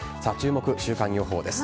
週間予報です。